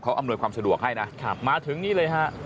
อำนวยความสะดวกให้นะมาถึงนี่เลยฮะ